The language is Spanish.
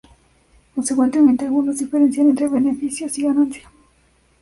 Consecuentemente, algunos diferencian entre beneficios y ganancia.